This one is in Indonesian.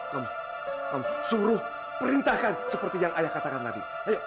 kamu kaum suruh perintahkan seperti yang ayah katakan tadi